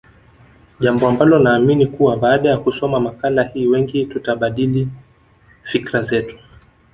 Jambo ambalo naamini kuwa baada ya kusoma makala hii wengi tutabadili fikra zetu